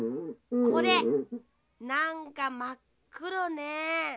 これなんかまっくろね。